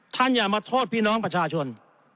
อย่ามาโทษพี่น้องประชาชน